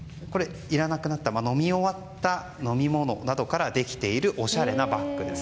飲み終わった飲み物などからできているおしゃれなバッグです。